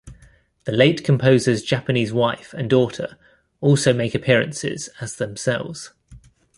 The late composer's Japanese wife and daughter also make appearances as themselves.